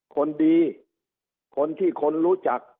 คนดีคนที่คนรู้จัก